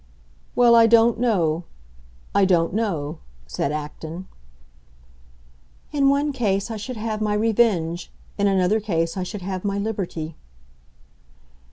"Well, I don't know—I don't know," said Acton. "In one case I should have my revenge; in another case I should have my liberty."